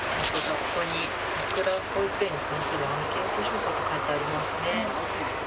ここにさくら保育園に関するアンケート調査と書いてあります